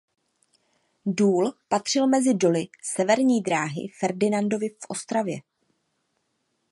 Důl patřil mezi doly Severní dráhy Ferdinandovy v Ostravě.